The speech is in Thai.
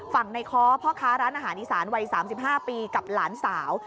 ฝั่งในค้อพ่อค้าร้านอาหารอีสานวัย๓๕ปีกับหลานสาว